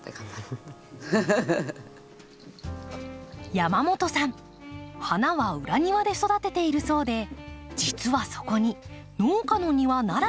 山本さん花は裏庭で育てているそうで実はそこに農家の庭ならではの秘密が。